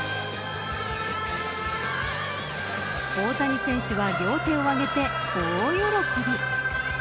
大谷選手は両手を上げて大喜び。